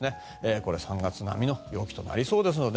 これ、３月並みの陽気となりそうですね。